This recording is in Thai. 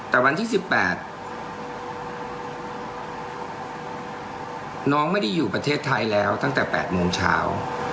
แต่วันที่๑๘น้องไม่ได้อยู่ประเทศไทยแล้วตั้งแต่๘โมงเช้า